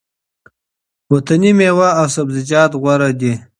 وطني مېوه او سبزیجات غوره دي.